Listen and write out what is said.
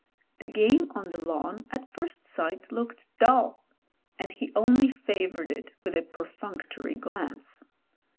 The game on the lawn at first sight lodced dull; and he only fa* JAMES HENRY 217 voured it with a perfunctory glance.